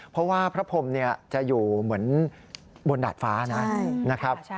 เพราะว่าพระพรมจะอยู่เหมือนบนดาดฟ้านะครับ